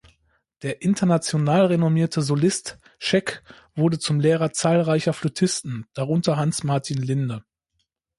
Der international renommierte Solist Scheck wurde zum Lehrer zahlreicher Flötisten, darunter Hans-Martin Linde.